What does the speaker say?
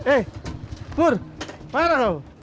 eh pur mana kau